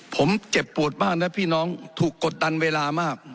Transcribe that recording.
ผมเจ็บปวดมากนะพี่น้องถูกกดดันเวลามาก